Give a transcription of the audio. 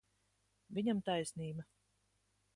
Viņam taisnība.